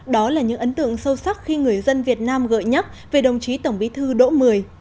đó là những ấn tượng sâu sắc khi người dân việt nam gợi nhắc về đồng chí tổng bí thư đỗ mười